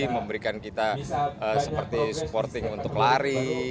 memberikan kita seperti supporting untuk lari